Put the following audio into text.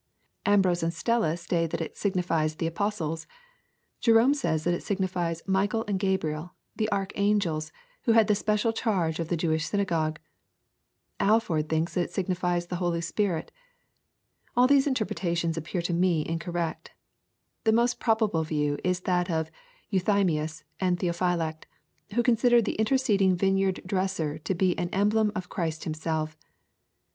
— Ambrose and Stella say that it signifies the "apostles." Jerome says that it signifies '* Michael and Gkibriel/* the archangels, who had the special charge of the Jewish synagogue. — Alford thinks that it signifies the Holy Spirit. — ^All these interpretations appear to me incorrecti The most probable view is that of Euthymius and Theophylact^ who consider the interceding vineyard dresser to be an emblem of Christ Himself.